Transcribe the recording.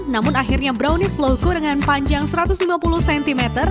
namun akhirnya bronis loko dengan panjang satu ratus lima puluh cm